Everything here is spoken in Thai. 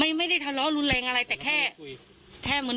ไม่ไม่ได้ทะเลาะรุนแรงอะไรแต่แค่แค่คุย